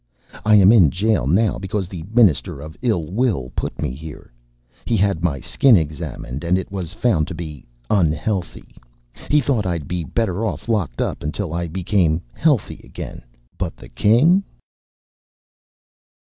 "I am in jail now because the Minister of Ill Will put me here. He had my Skin examined, and it was found to be 'unhealthy.' He thought I'd be better off locked up until I became 'healthy' again. But the King...."